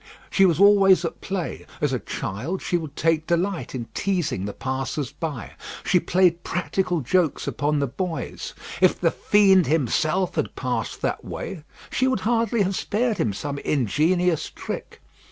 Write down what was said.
She was always at play. As a child, she would take delight in teasing the passers by. She played practical jokes upon the boys. If the fiend himself had passed that way, she would hardly have spared him some ingenious trick.